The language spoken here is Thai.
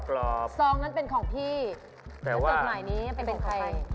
ซองนั้นเป็นของพี่แต่ว่าเปิดหน่อยนี้เป็นของใคร